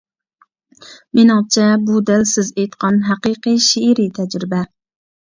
مېنىڭچە، بۇ دەل سىز ئېيتقان ھەقىقىي شېئىرىي تەجرىبە.